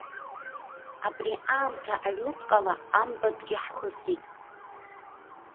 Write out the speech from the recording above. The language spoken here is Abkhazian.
Абри аамҭа аҩнуҵҟала амбатәгьы ҳхысит.